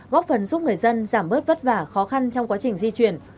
góp phần giúp người dân giảm bớt vất vả khó khăn trong quá trình di chuyển